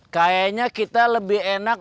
kayaknya kita lebih enak